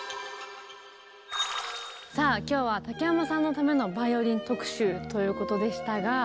さあ今日は竹山さんのためのバイオリン特集ということでしたが。